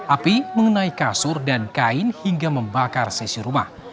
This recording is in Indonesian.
api mengenai kasur dan kain hingga membakar sisi rumah